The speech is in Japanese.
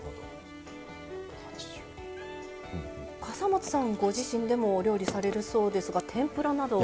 笠松さんご自身でもお料理されるそうですが天ぷらなどは。